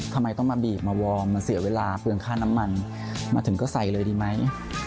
ทำไมต้องมาบีบมาวอร์มมันเสียเวลาเปลืองค่าน้ำมันมาถึงก็ใส่เลยดีไหม